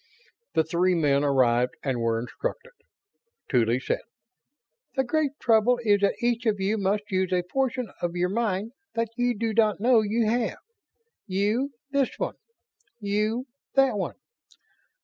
The three men arrived and were instructed. Tuly said: "The great trouble is that each of you must use a portion of your mind that you do not know you have. You, this one. You, that one."